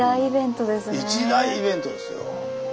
一大イベントですね。